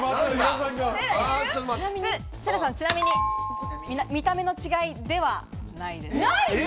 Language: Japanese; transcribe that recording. ちなみに、見た目の違いではないです。